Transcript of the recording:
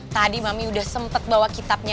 tadi mami udah sempat bawa kitabnya